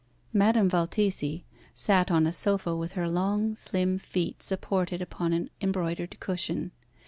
Madame Valtesi sat on a sofa with her long, slim feet supported upon an embroidered cushion.